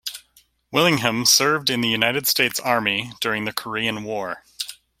Willingham served in the United States Army during the Korean War.